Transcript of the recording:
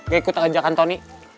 gak ikut ajakan tony